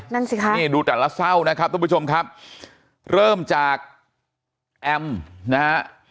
นั่นสิค่ะนี่ดูแต่ละเศร้านะครับทุกผู้ชมครับเริ่มจากแอมนะฮะ